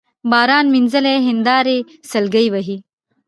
باران مينځلي هينداري سلګۍ وهي